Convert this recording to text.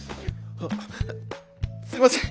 あすいません